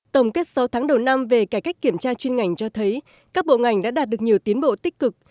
tổng kết sáu tháng đầu năm về cải cách kiểm tra chuyên ngành cho thấy các bộ ngành đã đạt được nhiều tiến bộ tích cực